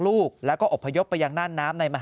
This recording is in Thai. ลูกและอบพยพไปยังนานน้ำ